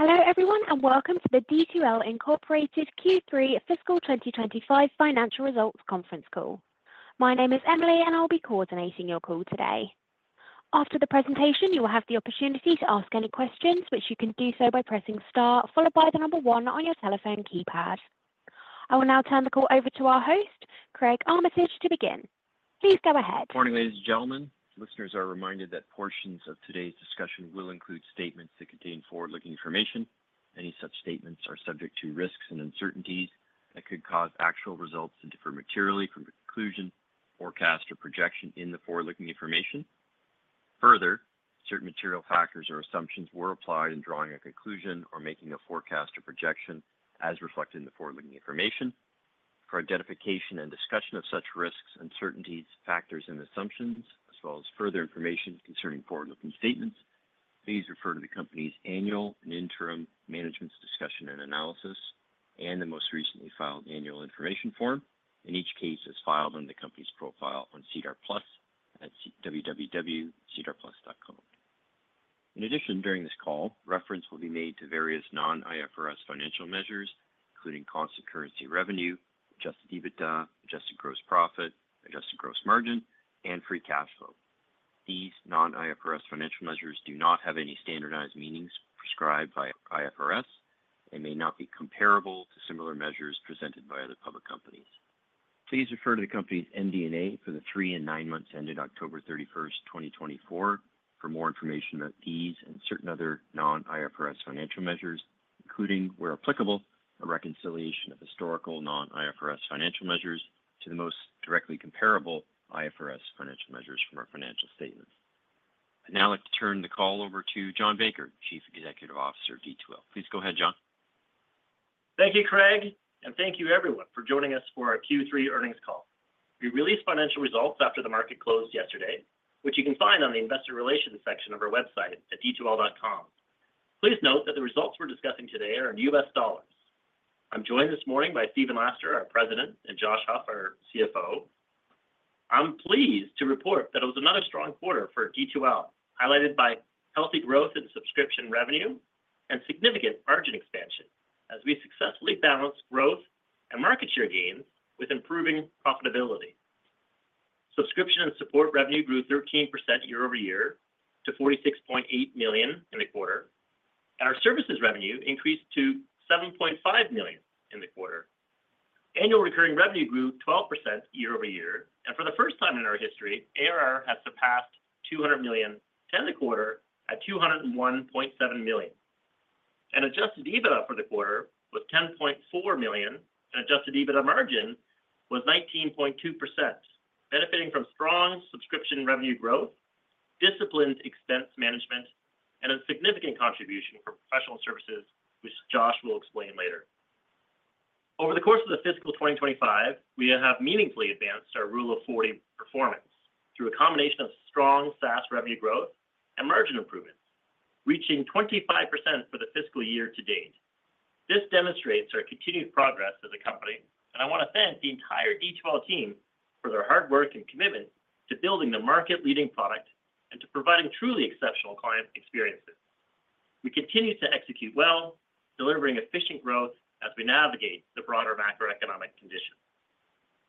Hello, everyone, and welcome to the D2L Incorporated Q3 fiscal 2025 financial results conference call. My name is Emily, and I'll be coordinating your call today. After the presentation, you will have the opportunity to ask any questions, which you can do so by pressing Star, followed by the number one on your telephone keypad. I will now turn the call over to our host, Craig Armitage, to begin. Please go ahead. Morning, ladies and gentlemen. Listeners are reminded that portions of today's discussion will include statements that contain forward-looking information. Any such statements are subject to risks and uncertainties that could cause actual results to differ materially from conclusion, forecast, or projection in the forward-looking information. Further, certain material factors or assumptions were applied in drawing a conclusion or making a forecast or projection as reflected in the forward-looking information. For identification and discussion of such risks, uncertainties, factors, and assumptions, as well as further information concerning forward-looking statements, please refer to the company's annual and interim management's discussion and analysis and the most recently filed annual information form. In each case, it's filed on the company's profile on SEDAR+ at www.sedarplus.com. In addition, during this call, reference will be made to various non-IFRS financial measures, including constant currency revenue, Adjusted EBITDA, Adjusted Gross Profit, Adjusted Gross Margin, and Free Cash Flow. These non-IFRS financial measures do not have any standardized meanings prescribed by IFRS and may not be comparable to similar measures presented by other public companies. Please refer to the company's MD&A for the three and nine months ended October 31st, 2024, for more information about these and certain other non-IFRS financial measures, including, where applicable, a reconciliation of historical non-IFRS financial measures to the most directly comparable IFRS financial measures from our financial statements. I'd now like to turn the call over to John Baker, Chief Executive Officer of D2L. Please go ahead, John. Thank you, Craig, and thank you, everyone, for joining us for our Q3 earnings call. We released financial results after the market closed yesterday, which you can find on the investor relations section of our website at d2l.com. Please note that the results we're discussing today are in US dollars. I'm joined this morning by Stephen Laster, our President, and Josh Huff, our CFO. I'm pleased to report that it was another strong quarter for D2L, highlighted by healthy growth in subscription revenue and significant margin expansion as we successfully balanced growth and market share gains with improving profitability. Subscription and support revenue grew 13% YoY to $46.8 million in the quarter, and our services revenue increased to $7.5 million in the quarter. Annual recurring revenue grew 12% YoY, and for the first time in our history, ARR has surpassed $200 million in the quarter at $201.7 million. An adjusted EBITDA for the quarter was $10.4 million, and adjusted EBITDA margin was 19.2%, benefiting from strong subscription revenue growth, disciplined expense management, and a significant contribution from professional services, which Josh will explain later. Over the course of the fiscal 2025, we have meaningfully advanced our Rule of 40 performance through a combination of strong SaaS revenue growth and margin improvements, reaching 25% for the fiscal year to date. This demonstrates our continued progress as a company, and I want to thank the entire D2L team for their hard work and commitment to building the market-leading product and to providing truly exceptional client experiences. We continue to execute well, delivering efficient growth as we navigate the broader macroeconomic conditions.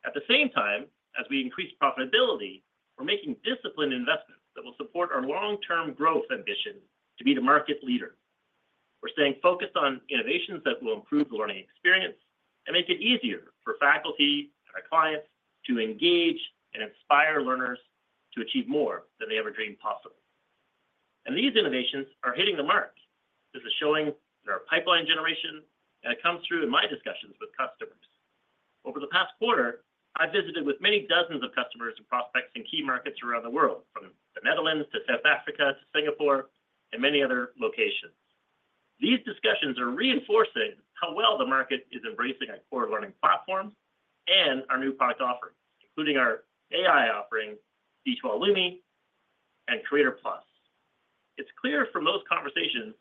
At the same time as we increase profitability, we're making disciplined investments that will support our long-term growth ambition to be the market leader. We're staying focused on innovations that will improve the learning experience and make it easier for faculty and our clients to engage and inspire learners to achieve more than they ever dreamed possible. And these innovations are hitting the mark. This is showing in our pipeline generation, and it comes through in my discussions with customers. Over the past quarter, I've visited with many dozens of customers and prospects in key markets around the world, from the Netherlands to South Africa to Singapore and many other locations. These discussions are reinforcing how well the market is embracing our core learning platforms and our new product offerings, including our AI offering, D2L Lumi, and Creator+. It's clear from those conversations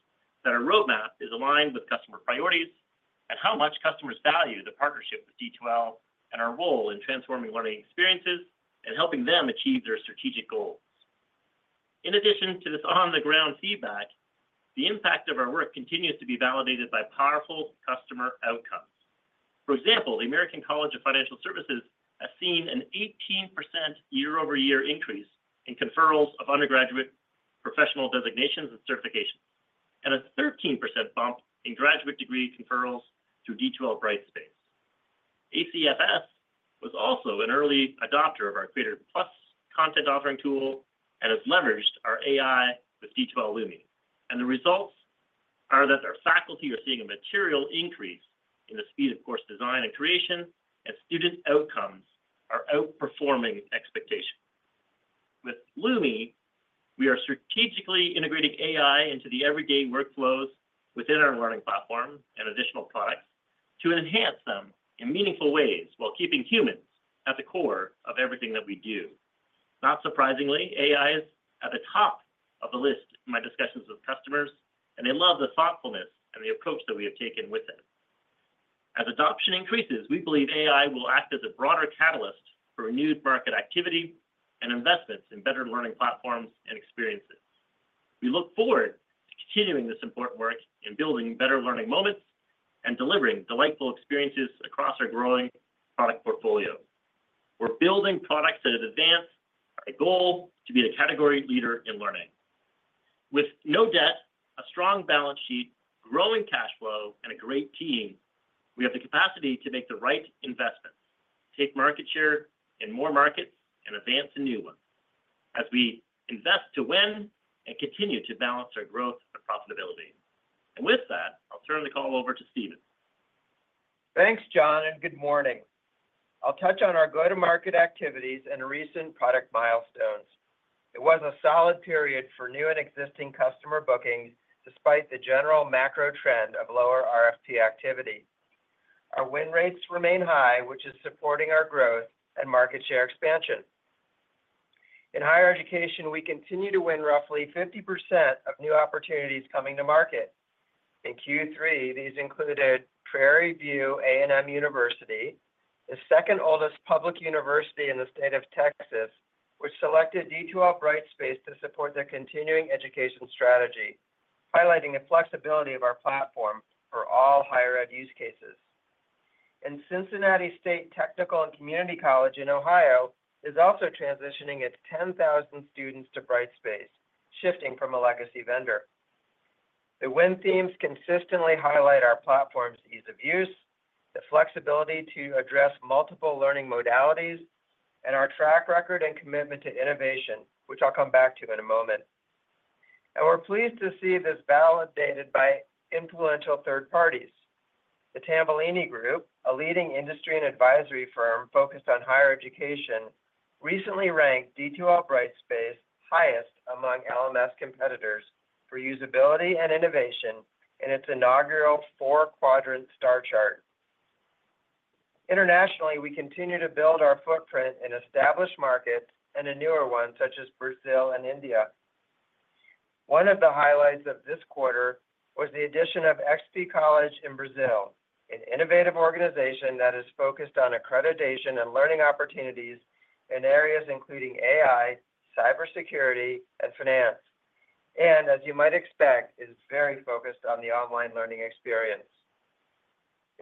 that our roadmap is aligned with customer priorities and how much customers value the partnership with D2L and our role in transforming learning experiences and helping them achieve their strategic goals. In addition to this on-the-ground feedback, the impact of our work continues to be validated by powerful customer outcomes. For example, the American College of Financial Services has seen an 18% YoY increase in conferrals of undergraduate professional designations and certifications, and a 13% bump in graduate degree conferrals through D2L Brightspace. ACFS was also an early adopter of our Creator+ content offering tool and has leveraged our AI with D2L Lumi, and the results are that our faculty are seeing a material increase in the speed of course design and creation, and student outcomes are outperforming expectations. With Lumi, we are strategically integrating AI into the everyday workflows within our learning platform and additional products to enhance them in meaningful ways while keeping humans at the core of everything that we do. Not surprisingly, AI is at the top of the list in my discussions with customers, and they love the thoughtfulness and the approach that we have taken with it. As adoption increases, we believe AI will act as a broader catalyst for renewed market activity and investments in better learning platforms and experiences. We look forward to continuing this important work in building better learning moments and delivering delightful experiences across our growing product portfolio. We're building products that advance our goal to be a category leader in learning. With no debt, a strong balance sheet, growing cash flow, and a great team, we have the capacity to make the right investments, take market share in more markets, and advance a new one as we invest to win and continue to balance our growth and profitability. And with that, I'll turn the call over to Stephen. Thanks, John, and good morning. I'll touch on our go-to-market activities and recent product milestones. It was a solid period for new and existing customer bookings despite the general macro trend of lower RFP activity. Our win rates remain high, which is supporting our growth and market share expansion. In higher education, we continue to win roughly 50% of new opportunities coming to market. In Q3, these included Prairie View A&M University, the second oldest public university in the state of Texas, which selected D2L Brightspace to support their continuing education strategy, highlighting the flexibility of our platform for all higher ed use cases, and Cincinnati State Technical and Community College in Ohio is also transitioning its 10,000 students to Brightspace, shifting from a legacy vendor. The win themes consistently highlight our platform's ease of use, the flexibility to address multiple learning modalities, and our track record and commitment to innovation, which I'll come back to in a moment, and we're pleased to see this validated by influential third parties. The Tambellini Group, a leading industry and advisory firm focused on higher education, recently ranked D2L Brightspace highest among LMS competitors for usability and innovation in its inaugural four-quadrant Star Chart. Internationally, we continue to build our footprint in established markets and in newer ones such as Brazil and India. One of the highlights of this quarter was the addition of XP College in Brazil, an innovative organization that is focused on accreditation and learning opportunities in areas including AI, cybersecurity, and finance, and as you might expect, it is very focused on the online learning experience.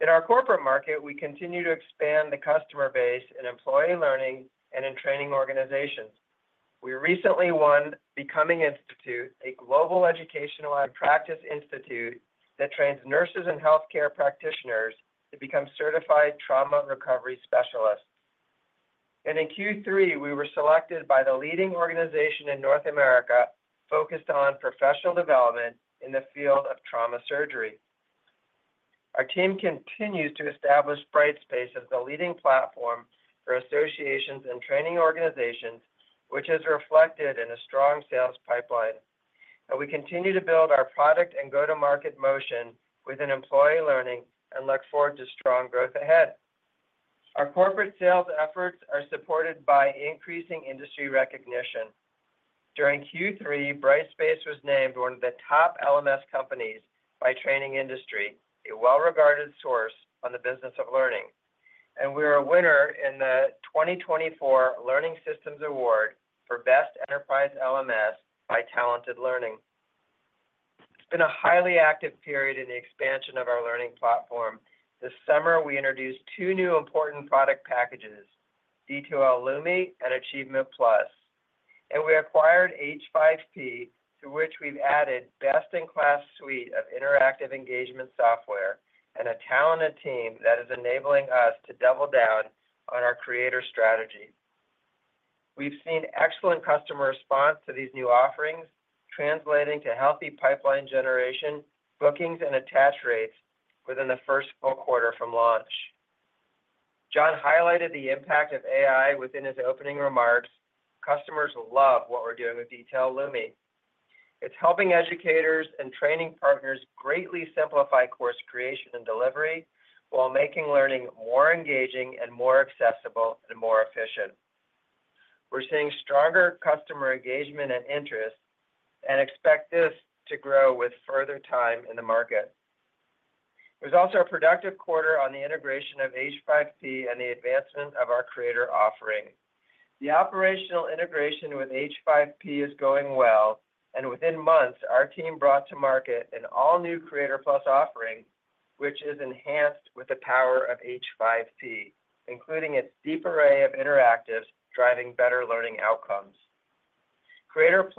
In our corporate market, we continue to expand the customer base in employee learning and in training organizations. We recently won The Becoming Institute, a global educational and practice institute that trains nurses and healthcare practitioners to become certified trauma recovery specialists. And in Q3, we were selected by the leading organization in North America focused on professional development in the field of trauma surgery. Our team continues to establish Brightspace as the leading platform for associations and training organizations, which has reflected in a strong sales pipeline. And we continue to build our product and go-to-market motion within employee learning and look forward to strong growth ahead. Our corporate sales efforts are supported by increasing industry recognition. During Q3, Brightspace was named one of the top LMS companies by Training Industry, a well-regarded source on the business of learning. And we are a winner in the 2024 Learning Systems Award for Best Enterprise LMS by Talented Learning. It's been a highly active period in the expansion of our learning platform. This summer, we introduced two new important product packages, D2L Lumi and Achievement+. And we acquired H5P, through which we've added a best-in-class suite of interactive engagement software and a talented team that is enabling us to double down on our creator strategy. We've seen excellent customer response to these new offerings, translating to healthy pipeline generation, bookings, and attach rates within the first full quarter from launch. John highlighted the impact of AI within his opening remarks. Customers love what we're doing with D2L Lumi. It's helping educators and training partners greatly simplify course creation and delivery while making learning more engaging and more accessible and more efficient. We're seeing stronger customer engagement and interest and expect this to grow with further time in the market. There's also a productive quarter on the integration of H5P and the advancement of our creator offering. The operational integration with H5P is going well, and within months, our team brought to market an all-new Creator+ offering, which is enhanced with the power of H5P, including its deep array of interactives driving better learning outcomes. Creator+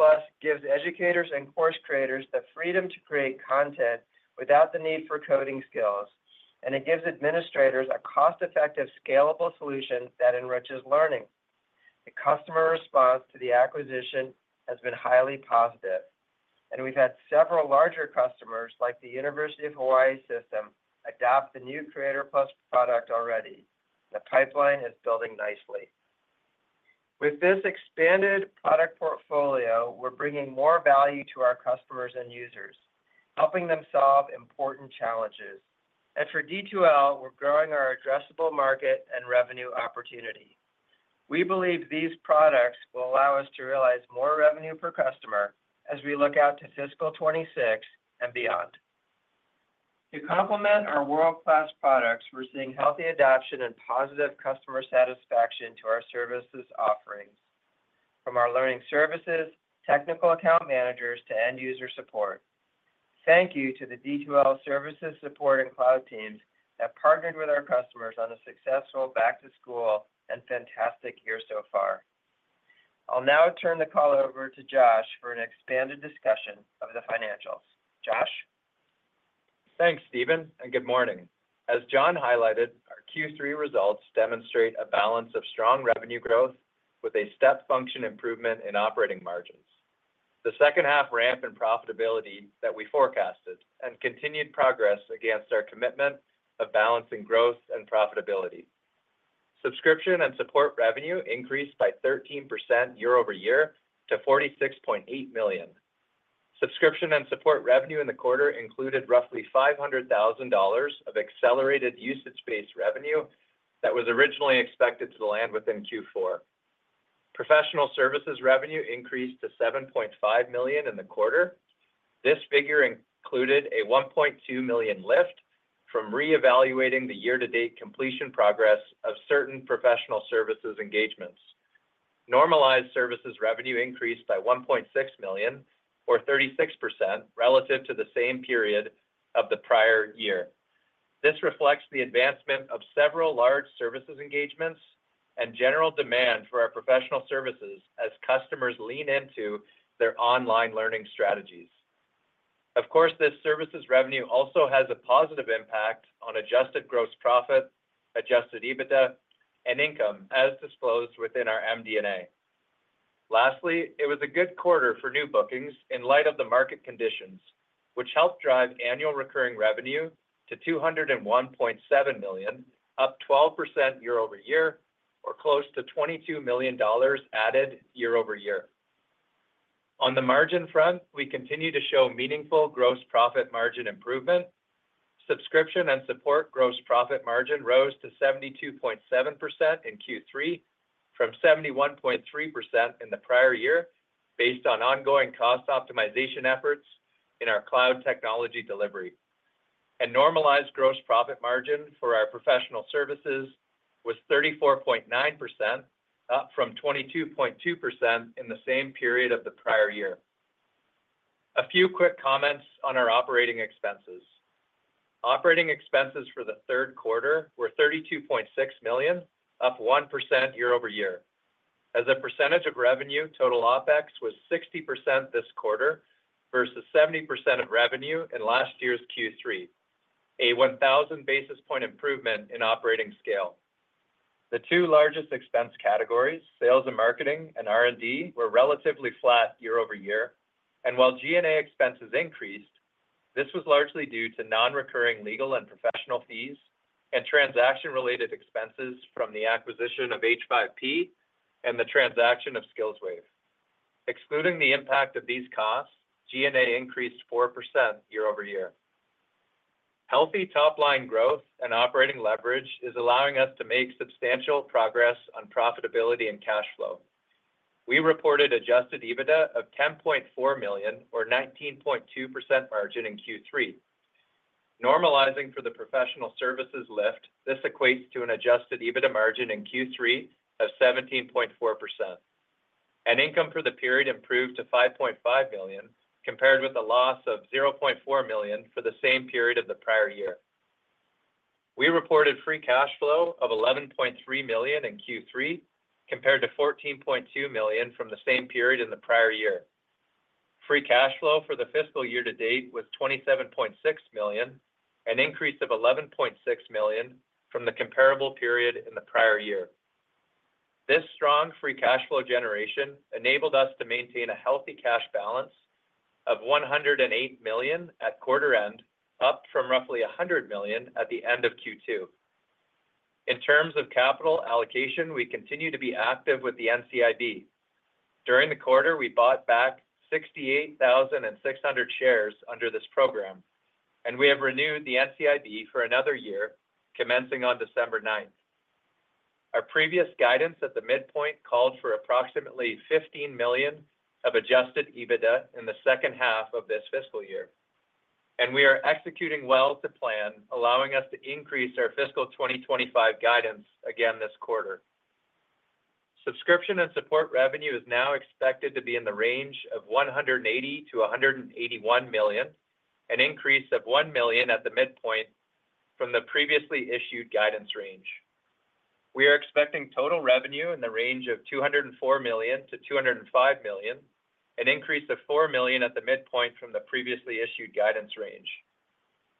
gives educators and course creators the freedom to create content without the need for coding skills, and it gives administrators a cost-effective, scalable solution that enriches learning. The customer response to the acquisition has been highly positive, and we've had several larger customers like the University of Hawaii System adopt the new Creator+ product already. The pipeline is building nicely. With this expanded product portfolio, we're bringing more value to our customers and users, helping them solve important challenges, and for D2L, we're growing our addressable market and revenue opportunity. We believe these products will allow us to realize more revenue per customer as we look out to fiscal 2026 and beyond. To complement our world-class products, we're seeing healthy adoption and positive customer satisfaction to our services offerings, from our learning services, technical account managers, to end-user support. Thank you to the D2L services support and cloud teams that partnered with our customers on a successful back-to-school and fantastic year so far. I'll now turn the call over to Josh for an expanded discussion of the financials. Josh. Thanks, Stephen, and good morning. As John highlighted, our Q3 results demonstrate a balance of strong revenue growth with a step function improvement in operating margins, the second-half ramp in profitability that we forecasted, and continued progress against our commitment of balancing growth and profitability. Subscription and support revenue increased by 13% YoY to $46.8 million. Subscription and support revenue in the quarter included roughly $500,000 of accelerated usage-based revenue that was originally expected to land within Q4. Professional services revenue increased to $7.5 million in the quarter. This figure included a $1.2 million lift from reevaluating the year-to-date completion progress of certain professional services engagements. Normalized services revenue increased by $1.6 million, or 36%, relative to the same period of the prior year. This reflects the advancement of several large services engagements and general demand for our professional services as customers lean into their online learning strategies. Of course, this services revenue also has a positive impact on adjusted gross profit, adjusted EBITDA, and income, as disclosed within our MD&A. Lastly, it was a good quarter for new bookings in light of the market conditions, which helped drive annual recurring revenue to $201.7 million, up 12% YoY, or close to $22 million added YoY. On the margin front, we continue to show meaningful gross profit margin improvement. Subscription and support gross profit margin rose to 72.7% in Q3, from 71.3% in the prior year, based on ongoing cost optimization efforts in our cloud technology delivery, and normalized gross profit margin for our professional services was 34.9%, up from 22.2% in the same period of the prior year. A few quick comments on our operating expenses. Operating expenses for the third quarter were $32.6 million, up 1%YoY. As a percentage of revenue, total OpEx was 60% this quarter versus 70% of revenue in last year's Q3, a 1,000 basis point improvement in operating scale. The two largest expense categories, sales and marketing and R&D, were relatively flat YoY, and while G&A expenses increased, this was largely due to non-recurring legal and professional fees and transaction-related expenses from the acquisition of H5P and the transaction of SkillsWave. Excluding the impact of these costs, G&A increased 4% YoY. Healthy top-line growth and operating leverage is allowing us to make substantial progress on profitability and cash flow. We reported adjusted EBITDA of $10.4 million, or 19.2% margin in Q3. Normalizing for the professional services lift, this equates to an adjusted EBITDA margin in Q3 of 17.4%, and income for the period improved to $5.5 million, compared with a loss of $0.4 million for the same period of the prior year. We reported free cash flow of $11.3 million in Q3, compared to $14.2 million from the same period in the prior year. Free cash flow for the fiscal year to date was $27.6 million, an increase of $11.6 million from the comparable period in the prior year. This strong free cash flow generation enabled us to maintain a healthy cash balance of $108 million at quarter end, up from roughly $100 million at the end of Q2. In terms of capital allocation, we continue to be active with the NCIB. During the quarter, we bought back 68,600 shares under this program, and we have renewed the NCIB for another year, commencing on December 9th. Our previous guidance at the midpoint called for approximately $15 million of adjusted EBITDA in the second half of this fiscal year. We are executing well to plan, allowing us to increase our fiscal 2025 guidance again this quarter. Subscription and support revenue is now expected to be in the range of $180million-$181 million, an increase of $1 million at the midpoint from the previously issued guidance range. We are expecting total revenue in the range of $204 million-$205 million, an increase of $4 million at the midpoint from the previously issued guidance range.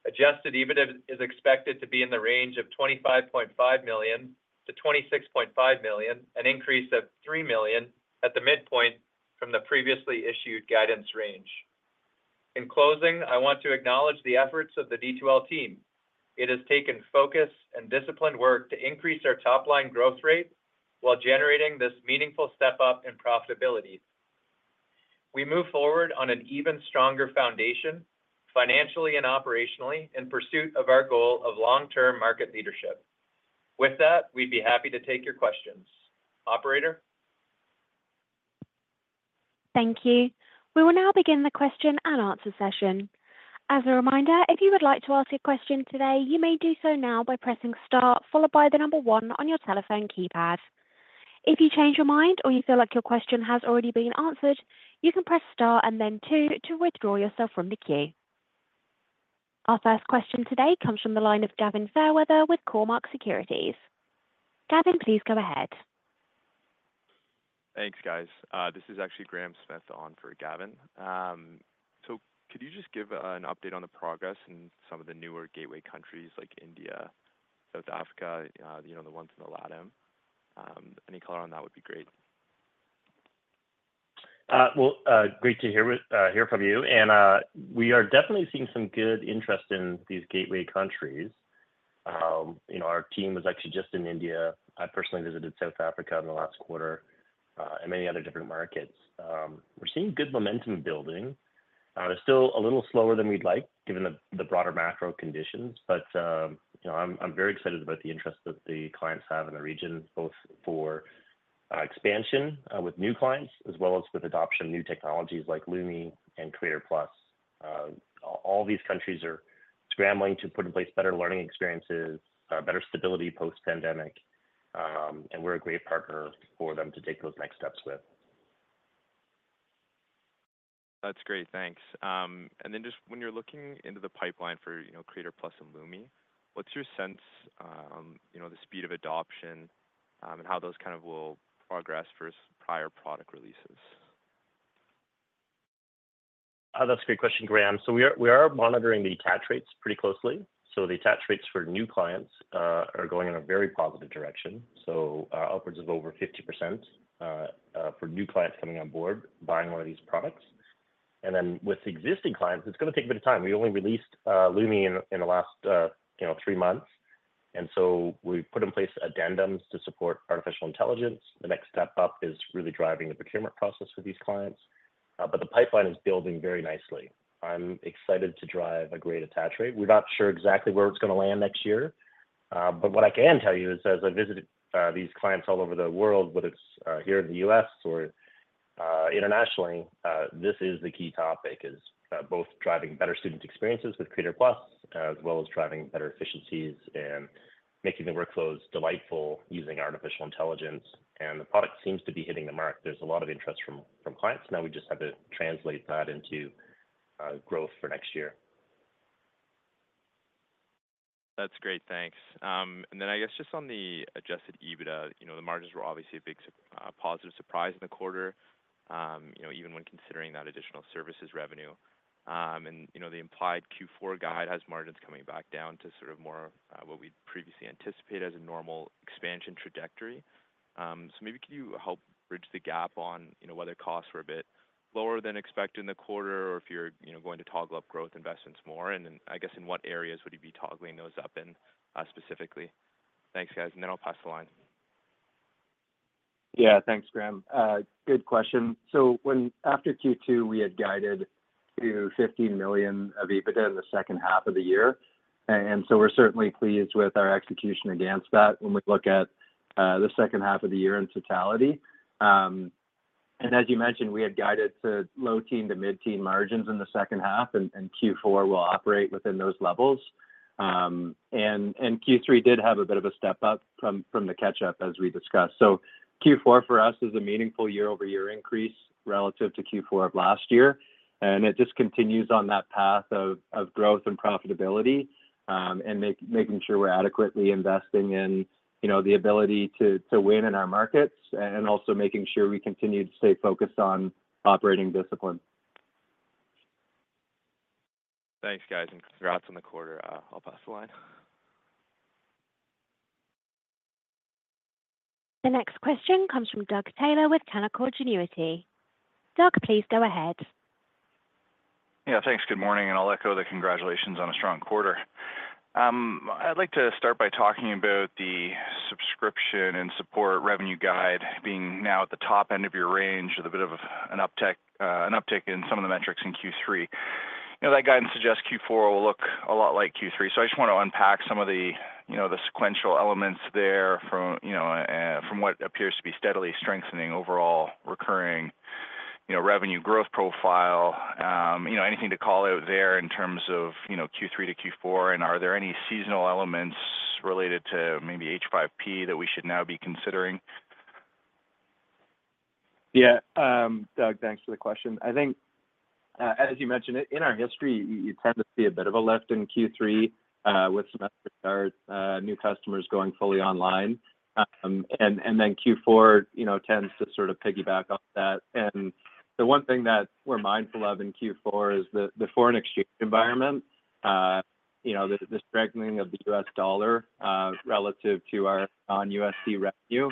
Adjusted EBITDA is expected to be in the range of $25.5 million-$26.5 million, an increase of $3 million at the midpoint from the previously issued guidance range. In closing, I want to acknowledge the efforts of the D2L team. It has taken focus and disciplined work to increase our top-line growth rate while generating this meaningful step up in profitability. We move forward on an even stronger foundation, financially and operationally, in pursuit of our goal of long-term market leadership. With that, we'd be happy to take your questions. Operator. Thank you. We will now begin the question and answer session. As a reminder, if you would like to ask a question today, you may do so now by pressing star, followed by the number one on your telephone keypad. If you change your mind or you feel like your question has already been answered, you can press star and then two to withdraw yourself from the queue. Our first question today comes from the line of Gavin Fairweather with Cormark Securities. Gavin, please go ahead. Thanks, guys. This is actually Graham Smith on for Gavin. So could you just give an update on the progress in some of the newer gateway countries like India, South Africa, the ones in the Latin? Any color on that would be great. Great to hear from you. We are definitely seeing some good interest in these gateway countries. Our team was actually just in India. I personally visited South Africa in the last quarter and many other different markets. We're seeing good momentum building. It's still a little slower than we'd like, given the broader macro conditions. But I'm very excited about the interest that the clients have in the region, both for expansion with new clients as well as with adoption of new technologies like Lumi and Creator+. All these countries are scrambling to put in place better learning experiences, better stability post-pandemic. We're a great partner for them to take those next steps with. That's great. Thanks. And then just when you're looking into the pipeline for Creator+ and Lumi, what's your sense on the speed of adoption and how those kind of will progress versus prior product releases? That's a great question, Graham. So we are monitoring the attach rates pretty closely. So the attach rates for new clients are going in a very positive direction, so upwards of over 50% for new clients coming on board, buying one of these products. And then with existing clients, it's going to take a bit of time. We only released Lumi in the last three months. And so we put in place addendums to support artificial intelligence. The next step up is really driving the procurement process for these clients. But the pipeline is building very nicely. I'm excited to drive a great attach rate. We're not sure exactly where it's going to land next year. But what I can tell you is, as I visited these clients all over the world, whether it's here in the U.S. or internationally, this is the key topic, is both driving better student experiences with Creator+, as well as driving better efficiencies and making the workflows delightful using artificial intelligence. And the product seems to be hitting the mark. There's a lot of interest from clients. Now we just have to translate that into growth for next year. That's great. Thanks. And then I guess just on the adjusted EBITDA, the margins were obviously a big positive surprise in the quarter, even when considering that additional services revenue. And the implied Q4 guide has margins coming back down to sort of more what we'd previously anticipate as a normal expansion trajectory. So maybe could you help bridge the gap on whether costs were a bit lower than expected in the quarter, or if you're going to toggle up growth investments more? And then I guess in what areas would you be toggling those up in specifically? Thanks, guys. And then I'll pass the line. Yeah, thanks, Graham. Good question. So after Q2, we had guided to $15 million of EBITDA in the second half of the year. And so we're certainly pleased with our execution against that when we look at the second half of the year in totality. And as you mentioned, we had guided to low-teen to mid-teen margins in the second half, and Q4 will operate within those levels. And Q3 did have a bit of a step up from the catch-up, as we discussed. So Q4 for us is a meaningful YoY increase relative to Q4 of last year. And it just continues on that path of growth and profitability and making sure we're adequately investing in the ability to win in our markets and also making sure we continue to stay focused on operating discipline. Thanks, guys, and congrats on the quarter. I'll pass the line. The next question comes from Doug Taylor with Canaccord Genuity. Doug, please go ahead. Yeah, thanks. Good morning, and I'll echo the congratulations on a strong quarter. I'd like to start by talking about the subscription and support revenue guide being now at the top end of your range, with a bit of an uptick in some of the metrics in Q3. That guidance suggests Q4 will look a lot like Q3, so I just want to unpack some of the sequential elements there from what appears to be steadily strengthening overall recurring revenue growth profile. Anything to call out there in terms of Q3 to Q4, and are there any seasonal elements related to maybe H5P that we should now be considering? Yeah. Doug, thanks for the question. I think, as you mentioned, in our history, you tend to see a bit of a lift in Q3 with some extra new customers going fully online. And then Q4 tends to sort of piggyback off that. And the one thing that we're mindful of in Q4 is the foreign exchange environment, the strengthening of the U.S. dollar relative to our non-USD revenue.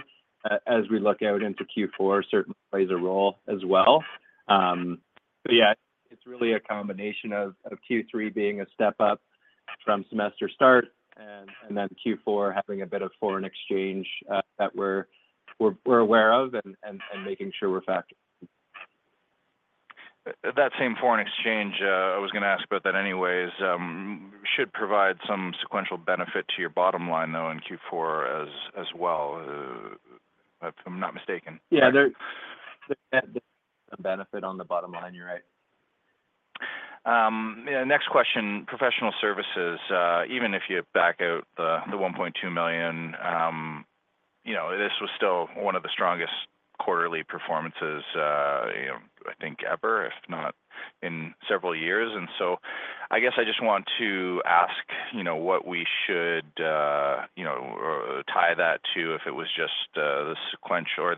As we look out into Q4, certainly plays a role as well. But yeah, it's really a combination of Q3 being a step up from semester start and then Q4 having a bit of foreign exchange that we're aware of and making sure we're factoring in. That same foreign exchange, I was going to ask about that anyways, should provide some sequential benefit to your bottom line, though, in Q4 as well, if I'm not mistaken. Yeah, there's definitely some benefit on the bottom line. You're right. Yeah. Next question, Professional Services. Even if you back out the $1.2 million, this was still one of the strongest quarterly performances, I think, ever, if not in several years. And so I guess I just want to ask what we should tie that to, if it was just the sequential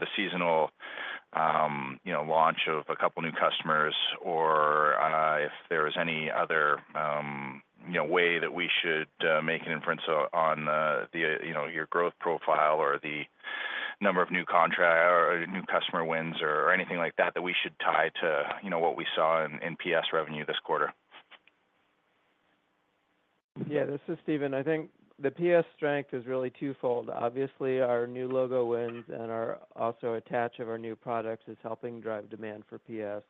or the seasonal launch of a couple of new customers, or if there was any other way that we should make an inference on your growth profile or the number of new customer wins or anything like that that we should tie to what we saw in PS revenue this quarter. Yeah, this is Stephen. I think the PS strength is really two-fold. Obviously, our new logo wins and also attachment of our new products is helping drive demand for PS.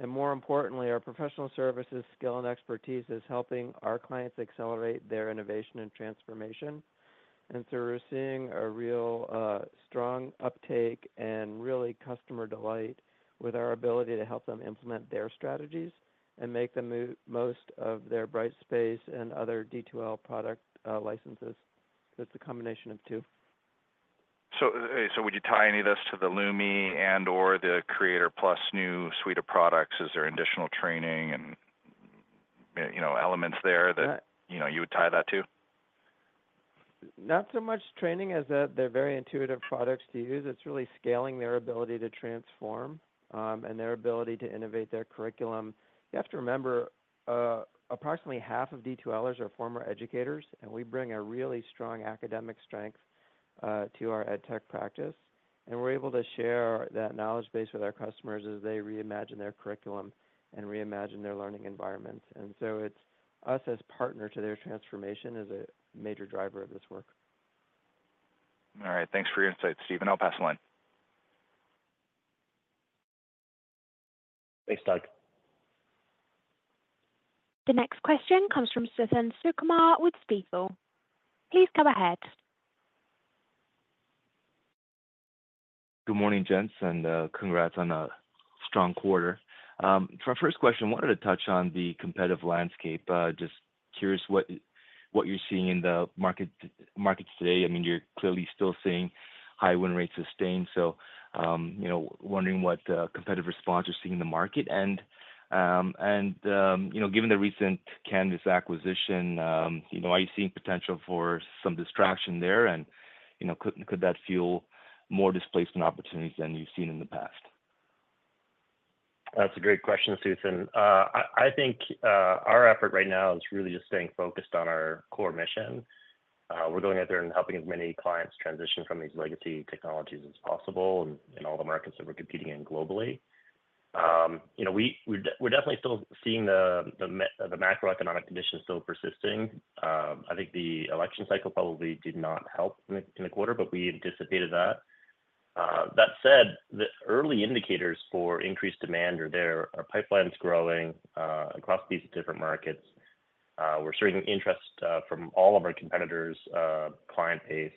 And more importantly, our Professional Services skill and expertise is helping our clients accelerate their innovation and transformation. And so we're seeing a real strong uptake and really customer delight with our ability to help them implement their strategies and make the most of their Brightspace and other D2L product licenses. It's a combination of two. So would you tie any of this to the Lumi and/or the Creator+ new suite of products? Is there additional training and elements there that you would tie that to? Not so much training as they're very intuitive products to use. It's really scaling their ability to transform and their ability to innovate their curriculum. You have to remember, approximately half of D2Lers are former educators, and we bring a really strong academic strength to our edtech practice. And we're able to share that knowledge base with our customers as they reimagine their curriculum and reimagine their learning environment. And so it's us as partner to their transformation is a major driver of this work. All right. Thanks for your insight, Stephen. I'll pass the line. Thanks, Doug. The next question comes from Suthan Sukumar with Stifel. Please go ahead. Good morning, gents, and congrats on a strong quarter. For our first question, I wanted to touch on the competitive landscape. Just curious what you're seeing in the markets today. I mean, you're clearly still seeing high win rates sustained. So wondering what competitive response you're seeing in the market. And given the recent Canvas acquisition, are you seeing potential for some distraction there? And could that fuel more displacement opportunities than you've seen in the past? That's a great question, Suthan. I think our effort right now is really just staying focused on our core mission. We're going out there and helping as many clients transition from these legacy technologies as possible in all the markets that we're competing in globally. We're definitely still seeing the macroeconomic condition still persisting. I think the election cycle probably did not help in the quarter, but we anticipated that. That said, the early indicators for increased demand are there. Our pipeline's growing across these different markets. We're seeing interest from all of our competitors, client base,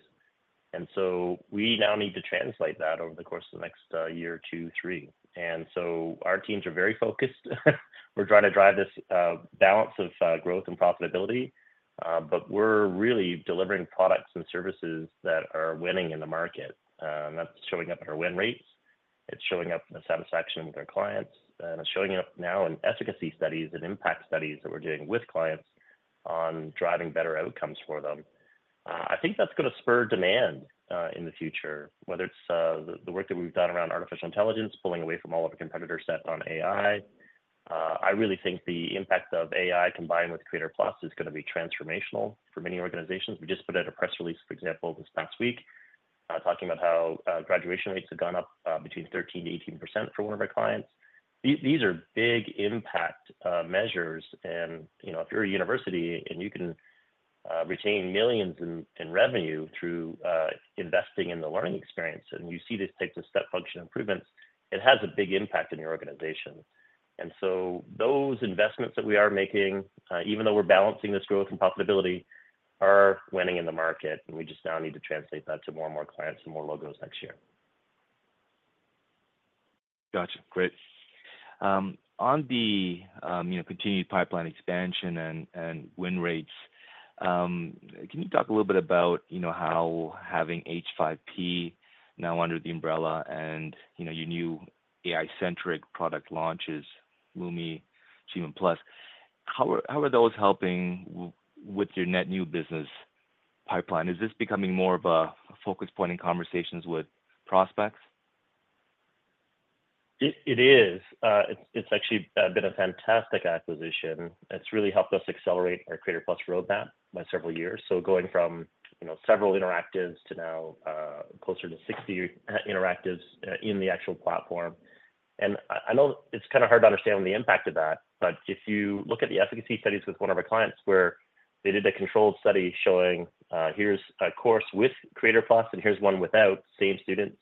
and so we now need to translate that over the course of the next year, two, three, and so our teams are very focused. We're trying to drive this balance of growth and profitability, but we're really delivering products and services that are winning in the market. That's showing up in our win rates. It's showing up in the satisfaction with our clients. And it's showing up now in efficacy studies and impact studies that we're doing with clients on driving better outcomes for them. I think that's going to spur demand in the future, whether it's the work that we've done around artificial intelligence, pulling away from all of the competitors' set on AI. I really think the impact of AI combined with Creator+ is going to be transformational for many organizations. We just put out a press release, for example, this past week, talking about how graduation rates have gone up between 13%-18% for one of our clients. These are big impact measures. And if you're a university and you can retain millions in revenue through investing in the learning experience and you see these types of step function improvements, it has a big impact on your organization. And so those investments that we are making, even though we're balancing this growth and profitability, are winning in the market. And we just now need to translate that to more and more clients and more logos next year. Gotcha. Great. On the continued pipeline expansion and win rates, can you talk a little bit about how having H5P now under the umbrella and your new AI-centric product launches, Lumi, Creator+, how are those helping with your net new business pipeline? Is this becoming more of a focus point in conversations with prospects? It is. It's actually been a fantastic acquisition. It's really helped us accelerate our Creator+ roadmap by several years, so going from several interactives to now closer to 60 interactives in the actual platform, and I know it's kind of hard to understand the impact of that, but if you look at the efficacy studies with one of our clients where they did a controlled study showing, "Here's a course with Creator+, and here's one without," same students,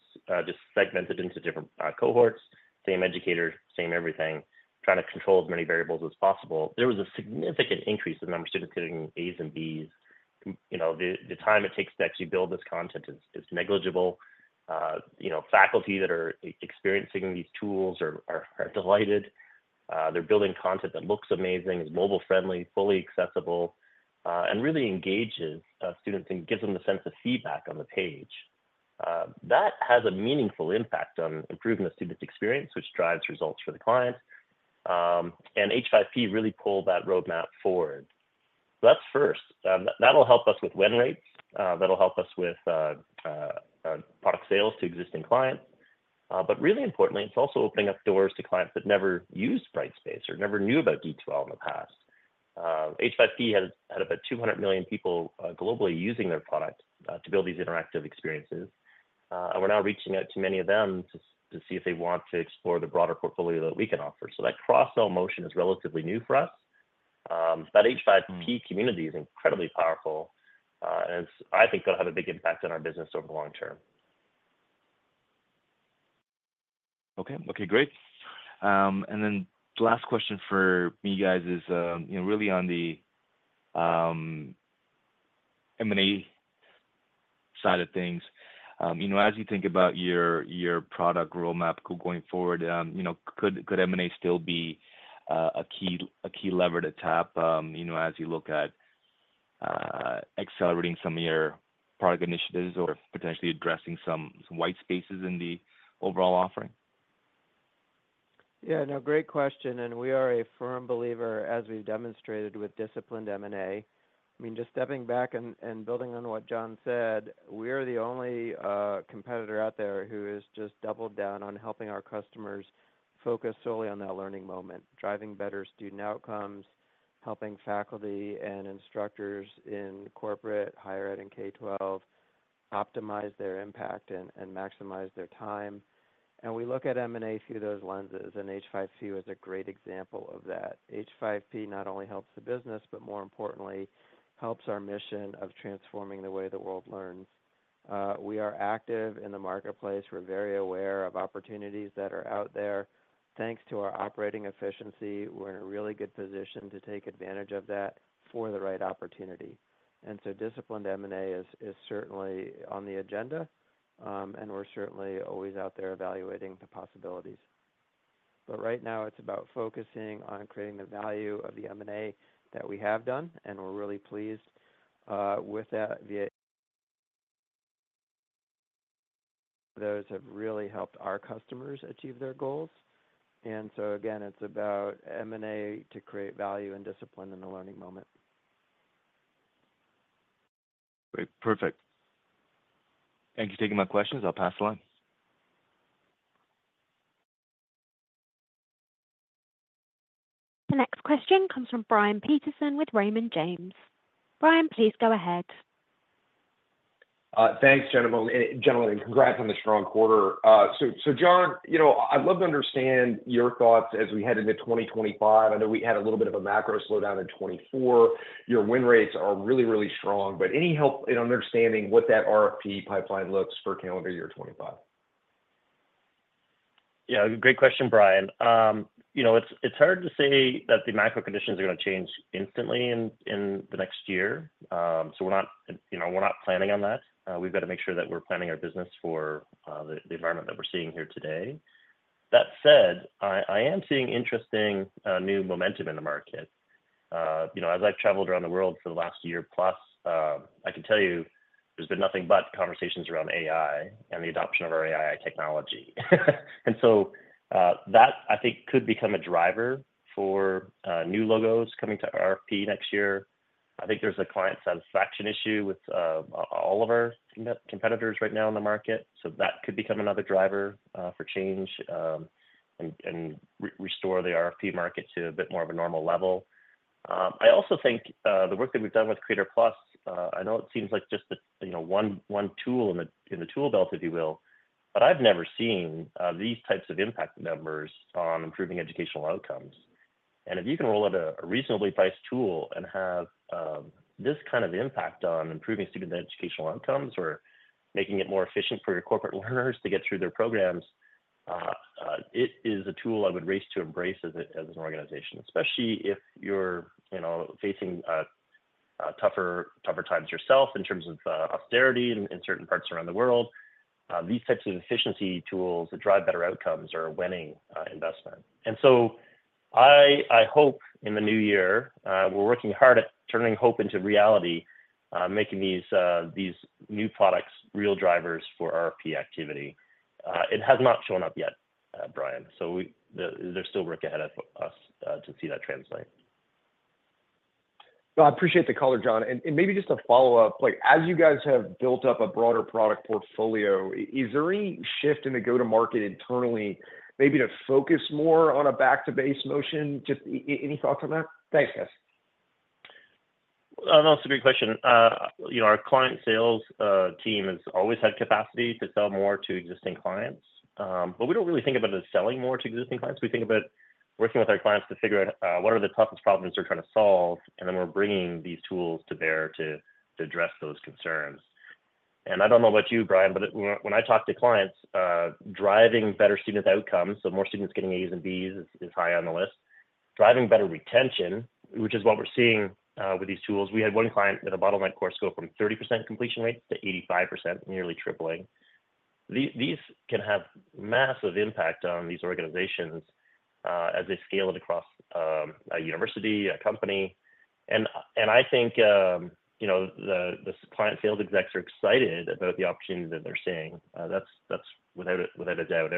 just segmented into different cohorts, same educator, same everything, trying to control as many variables as possible. There was a significant increase in the number of students getting A's and B's. The time it takes to actually build this content is negligible. Faculty that are experiencing these tools are delighted. They're building content that looks amazing, is mobile-friendly, fully accessible, and really engages students and gives them the sense of feedback on the page. That has a meaningful impact on improving the student experience, which drives results for the client. And H5P really pulled that roadmap forward. So that's first. That'll help us with win rates. That'll help us with product sales to existing clients. But really importantly, it's also opening up doors to clients that never used Brightspace or never knew about D2L in the past. H5P had about 200 million people globally using their product to build these interactive experiences. And we're now reaching out to many of them to see if they want to explore the broader portfolio that we can offer. So that cross-sell motion is relatively new for us. That H5P community is incredibly powerful, and I think it'll have a big impact on our business over the long term. Okay. Okay, great, and then the last question for you guys is really on the M&A side of things. As you think about your product roadmap going forward, could M&A still be a key lever to tap as you look at accelerating some of your product initiatives or potentially addressing some white spaces in the overall offering? Yeah, no, great question. And we are a firm believer, as we've demonstrated with disciplined M&A. I mean, just stepping back and building on what John said, we are the only competitor out there who has just doubled down on helping our customers focus solely on that learning moment, driving better student outcomes, helping faculty and instructors in corporate, higher ed, and K-12 optimize their impact and maximize their time. And we look at M&A through those lenses, and H5P was a great example of that. H5P not only helps the business, but more importantly, helps our mission of transforming the way the world learns. We are active in the marketplace. We're very aware of opportunities that are out there. Thanks to our operating efficiency, we're in a really good position to take advantage of that for the right opportunity. And so disciplined M&A is certainly on the agenda, and we're certainly always out there evaluating the possibilities. But right now, it's about focusing on creating the value of the M&A that we have done, and we're really pleased with that. Those have really helped our customers achieve their goals. And so again, it's about M&A to create value and discipline in the learning moment. Great. Perfect. Thank you for taking my questions. I'll pass the line. The next question comes from Brian Peterson with Raymond James. Brian, please go ahead. Thanks, gentlemen. And congrats on the strong quarter. So John, I'd love to understand your thoughts as we head into 2025. I know we had a little bit of a macro slowdown in 2024. Your win rates are really, really strong. But any help in understanding what that RFP pipeline looks like for calendar year 2025? Yeah, great question, Brian. It's hard to say that the macro conditions are going to change instantly in the next year. So we're not planning on that. We've got to make sure that we're planning our business for the environment that we're seeing here today. That said, I am seeing interesting new momentum in the market. As I've traveled around the world for the last year plus, I can tell you there's been nothing but conversations around AI and the adoption of our AI technology. And so that, I think, could become a driver for new logos coming to RFP next year. I think there's a client satisfaction issue with all of our competitors right now in the market. So that could become another driver for change and restore the RFP market to a bit more of a normal level. I also think the work that we've done with Creator+. I know it seems like just one tool in the tool belt, if you will, but I've never seen these types of impact numbers on improving educational outcomes. And if you can roll out a reasonably priced tool and have this kind of impact on improving student educational outcomes or making it more efficient for your corporate learners to get through their programs, it is a tool I would race to embrace as an organization, especially if you're facing tougher times yourself in terms of austerity in certain parts around the world. These types of efficiency tools that drive better outcomes are a winning investment. And so I hope in the new year, we're working hard at turning hope into reality, making these new products real drivers for RFP activity. It has not shown up yet, Brian. So there's still work ahead of us to see that translate. I appreciate the color, John. Maybe just a follow-up. As you guys have built up a broader product portfolio, is there any shift in the go-to-market internally, maybe to focus more on a back-to-base motion? Just any thoughts on that? Thanks, guys. That's a great question. Our client sales team has always had capacity to sell more to existing clients. But we don't really think about it as selling more to existing clients. We think about working with our clients to figure out what are the toughest problems they're trying to solve, and then we're bringing these tools to bear to address those concerns. And I don't know about you, Brian, but when I talk to clients, driving better student outcomes, so more students getting A's and B's is high on the list, driving better retention, which is what we're seeing with these tools. We had one client with a bottleneck course go from 30% completion rates to 85%, nearly tripling. These can have massive impact on these organizations as they scale it across a university, a company. I think the client sales execs are excited about the opportunity that they're seeing. That's without a doubt.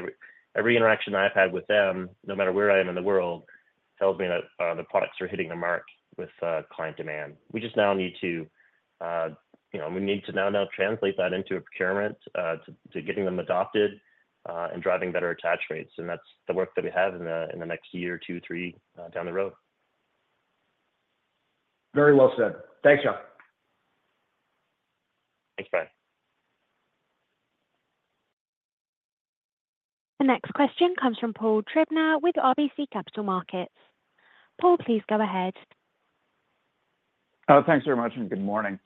Every interaction I've had with them, no matter where I am in the world, tells me that the products are hitting the mark with client demand. We need to now translate that into a procurement to getting them adopted and driving better attach rates. That's the work that we have in the next year, two, three down the road. Very well said. Thanks, John. Thanks, Brian. The next question comes from Paul Treiber with RBC Capital Markets. Paul, please go ahead. Oh, thanks very much, and good morning.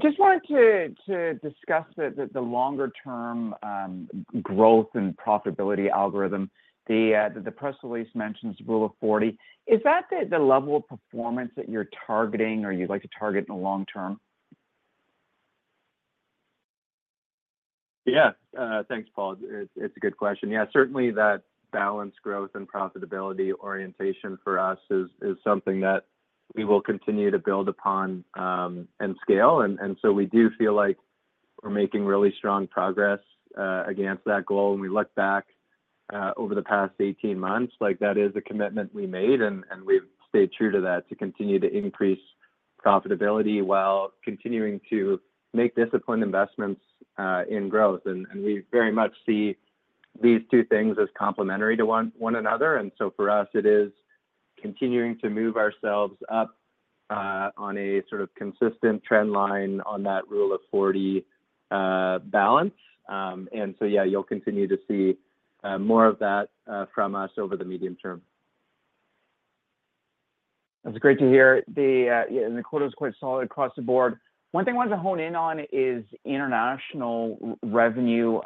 Just wanted to discuss the longer-term growth and profitability algorithm. The press release mentions Rule of 40. Is that the level of performance that you're targeting or you'd like to target in the long term? Yeah. Thanks, Paul. It's a good question. Yeah, certainly that balance, growth, and profitability orientation for us is something that we will continue to build upon and scale. And so we do feel like we're making really strong progress against that goal. And we look back over the past 18 months, that is a commitment we made, and we've stayed true to that to continue to increase profitability while continuing to make disciplined investments in growth. And we very much see these two things as complementary to one another. And so for us, it is continuing to move ourselves up on a sort of consistent trend line on that Rule of 40 balance. And so, yeah, you'll continue to see more of that from us over the medium term. That's great to hear. The quarter was quite solid across the board. One thing I wanted to hone in on is international revenue.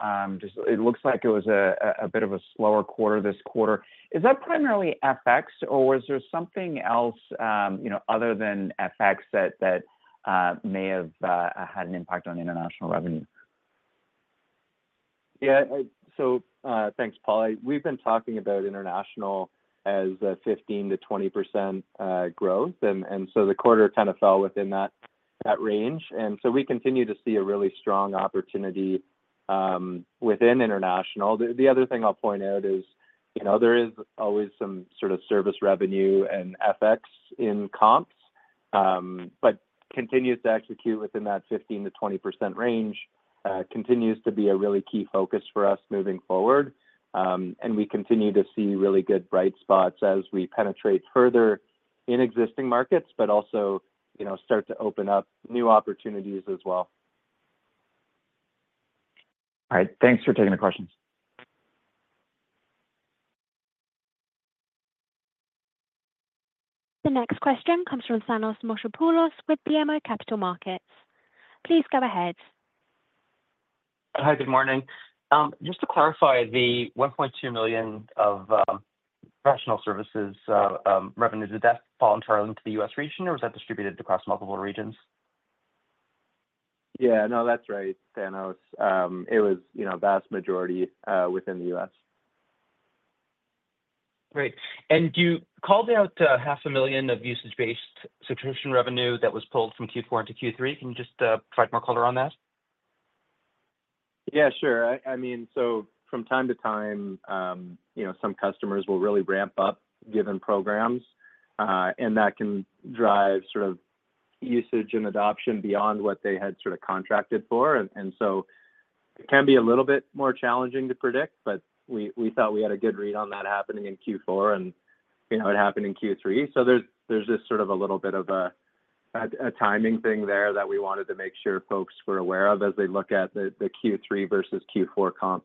It looks like it was a bit of a slower quarter this quarter. Is that primarily FX, or was there something else other than FX that may have had an impact on international revenue? Yeah. So thanks, Paul. We've been talking about international as 15%-20% growth. And so the quarter kind of fell within that range. And so we continue to see a really strong opportunity within international. The other thing I'll point out is there is always some sort of service revenue and FX in comps, but continues to execute within that 15%-20% range continues to be a really key focus for us moving forward. And we continue to see really good bright spots as we penetrate further in existing markets, but also start to open up new opportunities as well. All right. Thanks for taking the questions. The next question comes from Thanos Moschopoulos with BMO Capital Markets. Please go ahead. Hi, good morning. Just to clarify, the $1.2 million of Professional Services revenues, did that fall entirely into the U.S. region, or was that distributed across multiple regions? Yeah. No, that's right, Thanos. It was a vast majority within the U.S. Great. And you called out $500,000 of usage-based subscription revenue that was pulled from Q4 into Q3. Can you just provide more color on that? Yeah, sure. I mean, so from time to time, some customers will really ramp up given programs, and that can drive sort of usage and adoption beyond what they had sort of contracted for. And so it can be a little bit more challenging to predict, but we thought we had a good read on that happening in Q4, and it happened in Q3. So there's just sort of a little bit of a timing thing there that we wanted to make sure folks were aware of as they look at the Q3 versus Q4 comp.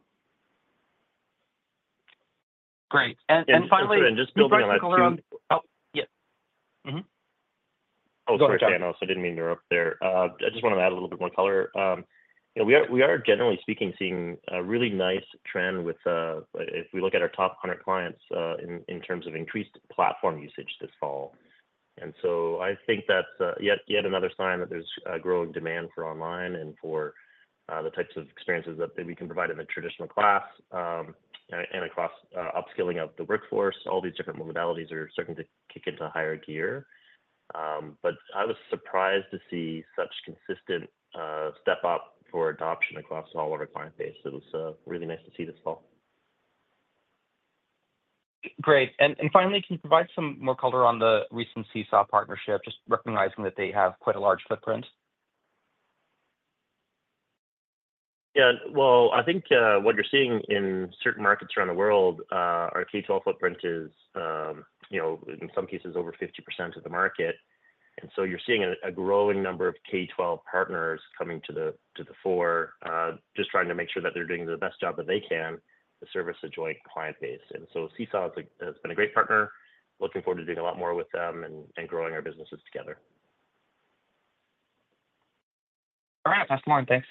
Great and finally. And just building on that, John. Oh, sorry, Thanos. I didn't mean to interrupt there. I just wanted to add a little bit more color. We are, generally speaking, seeing a really nice trend with, if we look at our top 100 clients in terms of increased platform usage this fall. And so I think that's yet another sign that there's growing demand for online and for the types of experiences that we can provide in the traditional class and across upskilling of the workforce. All these different modalities are starting to kick into higher gear. But I was surprised to see such consistent step-up for adoption across all of our client base. It was really nice to see this fall. Great. And finally, can you provide some more color on the recent Seesaw partnership, just recognizing that they have quite a large footprint? Yeah. Well, I think what you're seeing in certain markets around the world, our K-12 footprint is, in some cases, over 50% of the market. And so you're seeing a growing number of K-12 partners coming to the fore, just trying to make sure that they're doing the best job that they can to service a joint client base. And so Seesaw has been a great partner. Looking forward to doing a lot more with them and growing our businesses together. All right. That's the line. Thanks.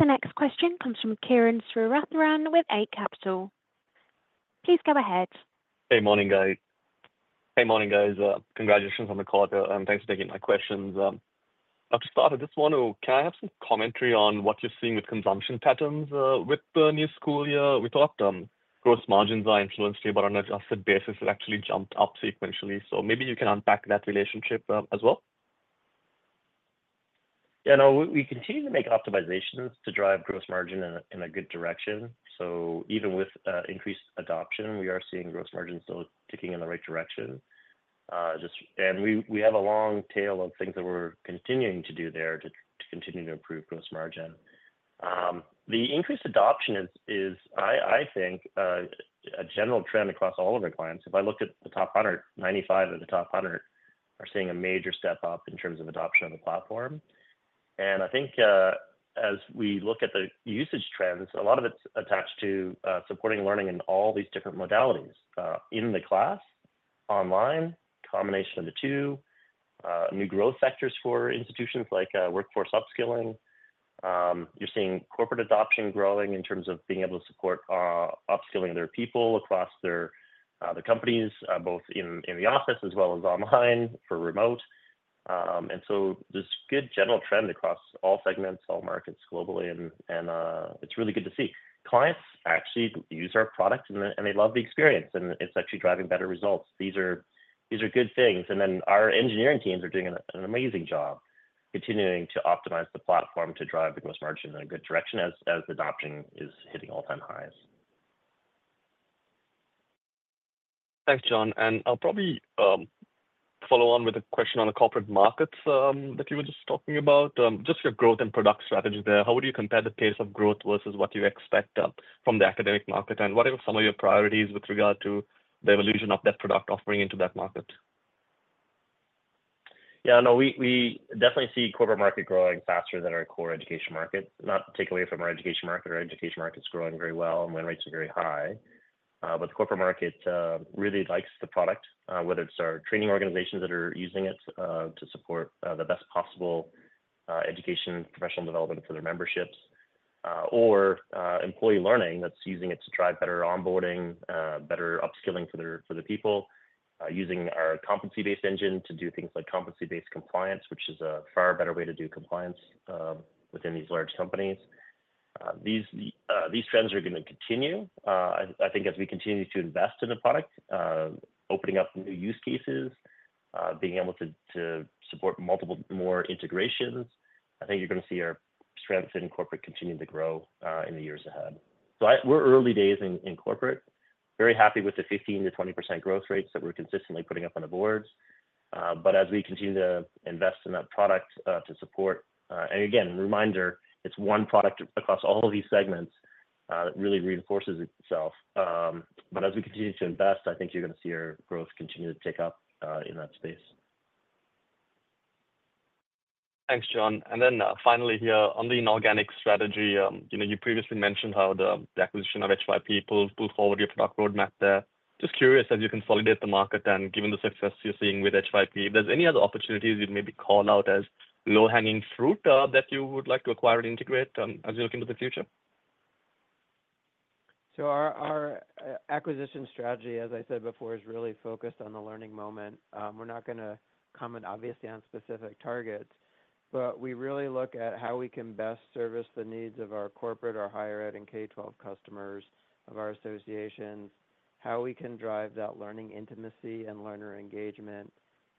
The next question comes from Kieran Srikandath with Eight Capital. Please go ahead. Hey, morning, guys. Hey, morning, guys. Congratulations on the call. Thanks for taking my questions. I'll just start with this one. Can I have some commentary on what you're seeing with consumption patterns with the new school year? We talked gross margins are influenced here, but on an adjusted basis, it actually jumped up sequentially. So maybe you can unpack that relationship as well. Yeah. No, we continue to make optimizations to drive gross margin in a good direction. So even with increased adoption, we are seeing gross margins still ticking in the right direction. And we have a long tail of things that we're continuing to do there to continue to improve gross margin. The increased adoption is, I think, a general trend across all of our clients. If I look at the top 100, 95 of the top 100 are seeing a major step up in terms of adoption of the platform. And I think as we look at the usage trends, a lot of it's attached to supporting learning in all these different modalities in the class, online, a combination of the two, new growth factors for institutions like workforce upskilling. You're seeing corporate adoption growing in terms of being able to support upskilling their people across their companies, both in the office as well as online for remote. And so there's a good general trend across all segments, all markets globally. And it's really good to see. Clients actually use our product, and they love the experience, and it's actually driving better results. These are good things. And then our engineering teams are doing an amazing job continuing to optimize the platform to drive the gross margin in a good direction as adoption is hitting all-time highs. Thanks, John. And I'll probably follow on with a question on the corporate markets that you were just talking about. Just your growth and product strategy there, how would you compare the pace of growth versus what you expect from the academic market? And what are some of your priorities with regard to the evolution of that product offering into that market? Yeah. No, we definitely see corporate market growing faster than our core education market. Not to take away from our education market, our education market's growing very well, and win rates are very high. But the corporate market really likes the product, whether it's our training organizations that are using it to support the best possible education professional development for their memberships, or employee learning that's using it to drive better onboarding, better upskilling for the people, using our competency-based engine to do things like competency-based compliance, which is a far better way to do compliance within these large companies. These trends are going to continue. I think as we continue to invest in the product, opening up new use cases, being able to support multiple more integrations, I think you're going to see our strength in corporate continue to grow in the years ahead. So we're early days in corporate. Very happy with the 15%-20% growth rates that we're consistently putting up on the boards. But as we continue to invest in that product to support, and again, reminder, it's one product across all of these segments that really reinforces itself. But as we continue to invest, I think you're going to see our growth continue to tick up in that space. Thanks, John. And then finally here, on the inorganic strategy, you previously mentioned how the acquisition of H5P pulled forward your product roadmap there. Just curious, as you consolidate the market and given the success you're seeing with H5P, if there's any other opportunities you'd maybe call out as low-hanging fruit that you would like to acquire and integrate as you look into the future? So our acquisition strategy, as I said before, is really focused on the learning moment. We're not going to comment obviously on specific targets, but we really look at how we can best service the needs of our corporate, our higher-ed and K-12 customers of our associations, how we can drive that learning intimacy and learner engagement,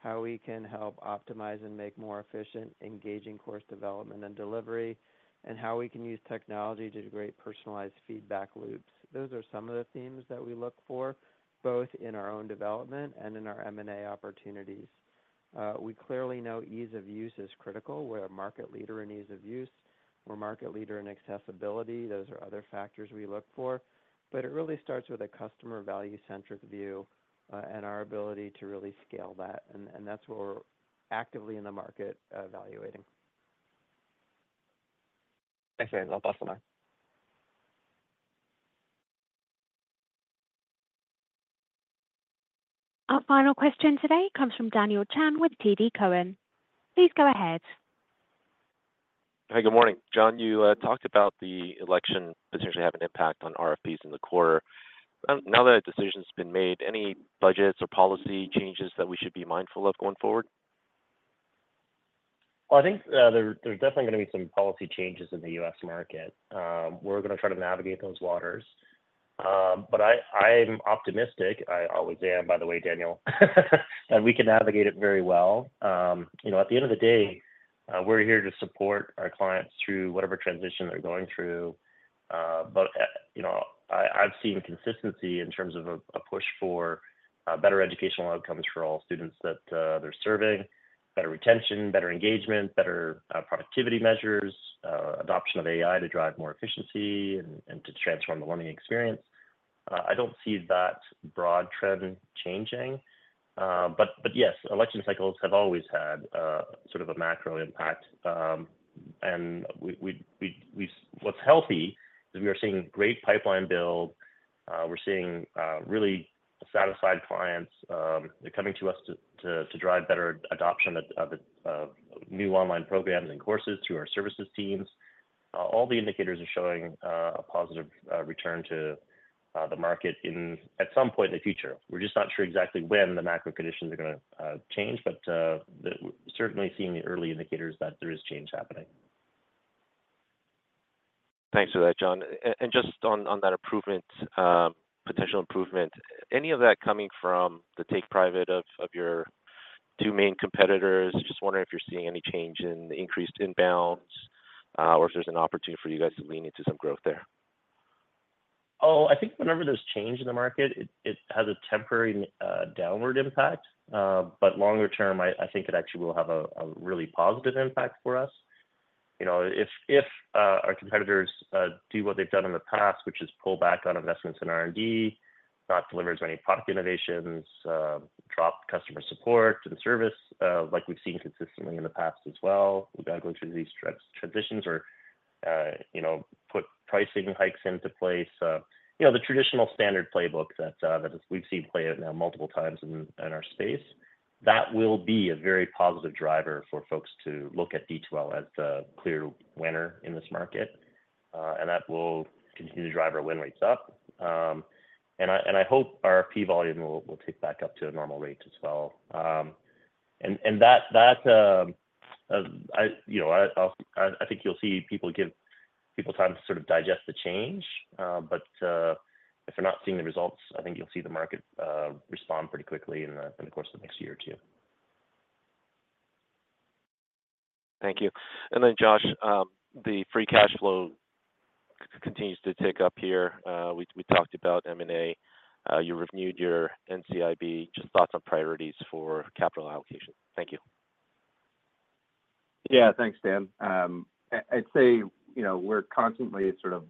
how we can help optimize and make more efficient, engaging course development and delivery, and how we can use technology to create personalized feedback loops. Those are some of the themes that we look for, both in our own development and in our M&A opportunities. We clearly know ease of use is critical. We're a market leader in ease of use. We're a market leader in accessibility. Those are other factors we look for. But it really starts with a customer value-centric view and our ability to really scale that. That's what we're actively in the market evaluating. Thanks, guys. I'll pass the mic. Our final question today comes from Daniel Chan with TD Cowen. Please go ahead. Hi, good morning. John, you talked about the election potentially having an impact on RFPs in the quarter. Now that a decision's been made, any budgets or policy changes that we should be mindful of going forward? I think there's definitely going to be some policy changes in the U.S. market. We're going to try to navigate those waters. But I'm optimistic, I always am, by the way, Daniel, that we can navigate it very well. At the end of the day, we're here to support our clients through whatever transition they're going through. But I've seen consistency in terms of a push for better educational outcomes for all students that they're serving, better retention, better engagement, better productivity measures, adoption of AI to drive more efficiency and to transform the learning experience. I don't see that broad trend changing. But yes, election cycles have always had sort of a macro impact. What's healthy is we are seeing great pipeline build. We're seeing really satisfied clients. They're coming to us to drive better adoption of new online programs and courses through our services teams. All the indicators are showing a positive return to the market at some point in the future. We're just not sure exactly when the macro conditions are going to change, but certainly seeing the early indicators that there is change happening. Thanks for that, John. And just on that potential improvement, any of that coming from the take-private of your two main competitors? Just wondering if you're seeing any change in the increased inbounds or if there's an opportunity for you guys to lean into some growth there? Oh, I think whenever there's change in the market, it has a temporary downward impact. But longer term, I think it actually will have a really positive impact for us. If our competitors do what they've done in the past, which is pull back on investments in R&D, not deliver as many product innovations, drop customer support and service like we've seen consistently in the past as well. We've got to go through these transitions or put pricing hikes into place. The traditional standard playbook that we've seen play out now multiple times in our space, that will be a very positive driver for folks to look at D2L as the clear winner in this market. And that will continue to drive our win rates up. And I hope RFP volume will tick back up to a normal rate as well. I think you'll see people give time to sort of digest the change. If they're not seeing the result, I think you'll see the market respond pretty quickly in the course of the next year or two. Thank you. And then, Josh, the free cash flow continues to tick up here. We talked about M&A. You've renewed your NCIB. Just thoughts on priorities for capital allocation? Thank you. Yeah, thanks, Dan. I'd say we're constantly sort of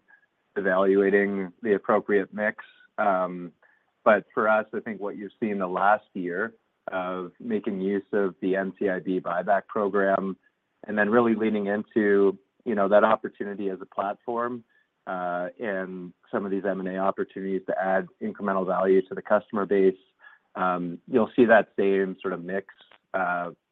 evaluating the appropriate mix. But for us, I think what you've seen the last year of making use of the NCIB buyback program and then really leaning into that opportunity as a platform and some of these M&A opportunities to add incremental value to the customer base, you'll see that same sort of mix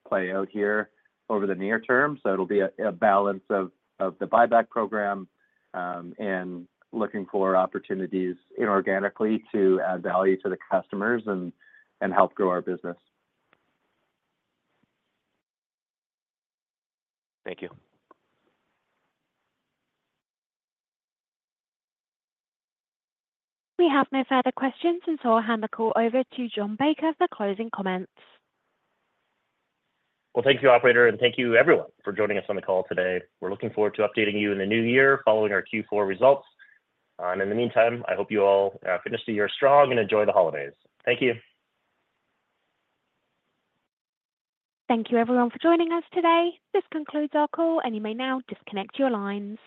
play out here over the near term. So it'll be a balance of the buyback program and looking for opportunities inorganically to add value to the customers and help grow our business. Thank you. We have no further questions, and so I'll hand the call over to John Baker for closing comments. Thank you, operator, and thank you, everyone, for joining us on the call today. We're looking forward to updating you in the new year following our Q4 results. In the meantime, I hope you all finish the year strong and enjoy the holidays. Thank you. Thank you, everyone, for joining us today. This concludes our call, and you may now disconnect your lines.